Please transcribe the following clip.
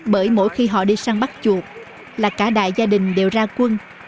bởi mỗi khi họ đi săn bắt chuột là cả đại gia đình đều ra quân